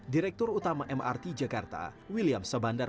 direktur utama mrt jakarta william sebandar